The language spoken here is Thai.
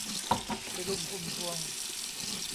อีลุ่มพุ่มพวง